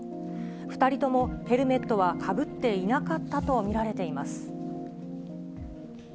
２人ともヘルメットはかぶっていなかったと見られています。